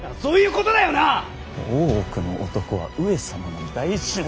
大奥の男は上様の大事な。